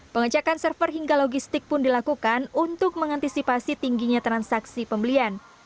pengecekan server hingga logistik pun dilakukan untuk mengantisipasi tingginya transaksi pembelian